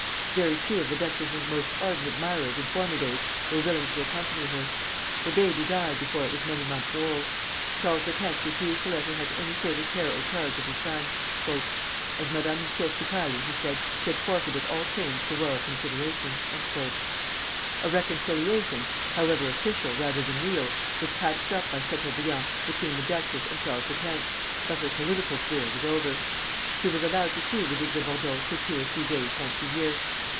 Very few of the duchess's most ardent admirers in former days were willing to accompany her. Her baby died before it was many months old. Charles X. refused to let her have any further care or charge of her son. "As Madame Luchesi Palli," he said, "she had forfeited all claims to royal consideration." A reconciliation, however, official rather than real, was patched up by Chateaubriand between the duchess and Charles X.; but her political career was over. She was allowed to see the Duc de Bordeaux for two or three days once a year.